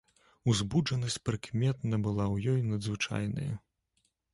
Узбуджанасць прыкметна была ў ёй надзвычайная.